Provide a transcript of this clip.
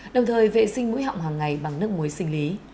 đồng thời vệ sinh mũi họng hàng ngày bằng nước muối sinh lý